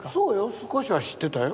少しは知ってたよ。